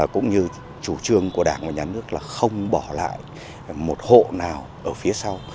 cũng như chủ trương của đảng và nhà nước là không bỏ lại một hộ nào ở phía sau